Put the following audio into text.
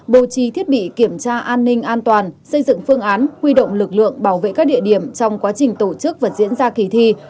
bố trì thiết bị kiểm tra an ninh an toàn xây dựng phương án huy động lực lượng bảo vệ các địa điểm trong quá trình tổ chức và diễn ra kỳ thi